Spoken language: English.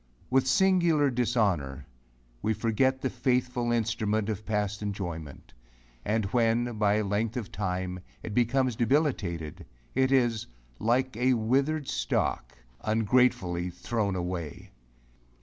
With singular dishonor, we forget the faithful instrument of past enjoyment, and when, by length of time, it becomes debilitated, it is, like a withered stalk, ungratefully thrown away.